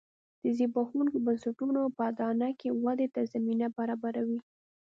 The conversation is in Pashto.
د زبېښونکو بنسټونو په اډانه کې ودې ته زمینه برابروي